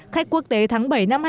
khách quốc tế tháng bảy